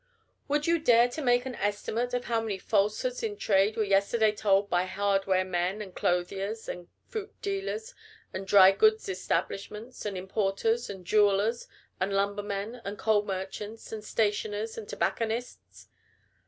Would you dare to make an estimate of how many falsehoods in trade were yesterday told by hardware men, and clothiers, and fruit dealers, and dry goods establishments, and importers, and jewellers, and lumbermen, and coal merchants, and stationers, and tobacconists?